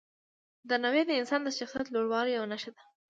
درناوی د انسان د شخصیت لوړوالي یوه نښه ده.